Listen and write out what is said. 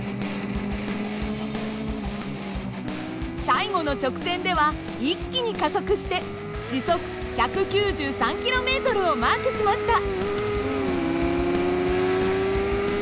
最後の直線では一気に加速して時速１９３ｋｍをマークしました。